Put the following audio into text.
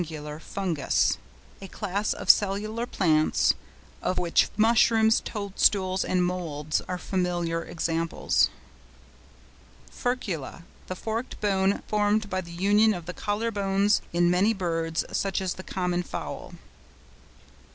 FUNGUS).—A class of cellular plants, of which Mushrooms, Toadstools, and Moulds, are familiar examples. FURCULA.—The forked bone formed by the union of the collar bones in many birds, such as the common Fowl.